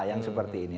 yang seperti ini